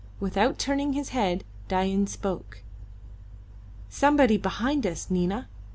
Without turning his head, Dain spoke. "Somebody behind us, Nina.